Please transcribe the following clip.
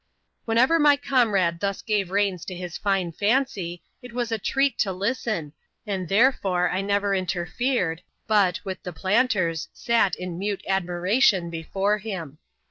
Whenever my comrade thus gave the reins to his fine fancy, it was a treat to listen, and therefore I never interfered ; but, with the planters, sat in mute admiration before him.